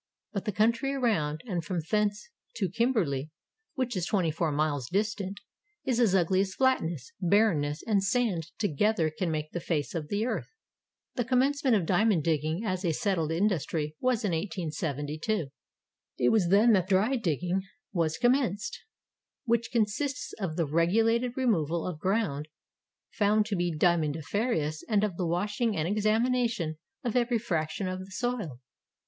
But the country around, and from thence to Kimberley, which is twenty four miles distant, is as ugly as flatness, barrenness, and sand together can make the face of the earth. The commencement of diamond digging as a settled industry was in 1872. It was then that dry digging was 442 THE DIAMOND FIELDS OF SOUTH AFRICA commenced, which consists of the regulated removal of ground found to be diamondiferous and of the washing and examination of every fraction of the soil.